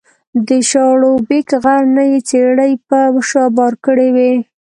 د شاړوبېک غر نه یې څېړۍ په شا بار کړې وې